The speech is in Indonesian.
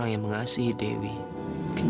jangan lepas lepas teh